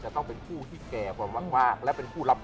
ต้องเป็นผู้ที่แก่กว่ามากและเป็นผู้รับ